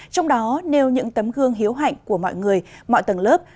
trong đó nêu những tấm gương hiếu hạnh của mọi người mọi tầng lớp